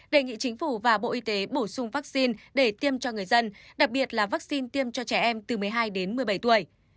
đề nghị chính phủ và bộ y tế bổ sung vaccine để tiêm cho người dân đặc biệt là vaccine tiêm cho trẻ em từ một mươi hai đến một mươi bảy tuổi